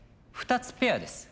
２つペアです。